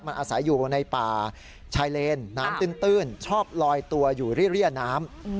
มันอาศัยอยู่ในป่าชายเลนน้ำตื้นชอบลอยตัวอยู่เรียน้ำ